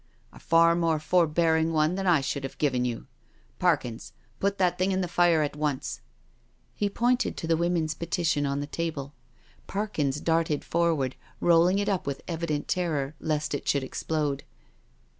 A far more forbearing one than I should have given you. Parkins, put that thing in the fire at once." He pointed to the Women's Petition on the table. Parkins darted forward, rolling it up with evi dent terror, lest it should explode.